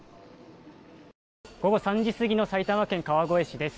午後３時過ぎの埼玉県川越市です。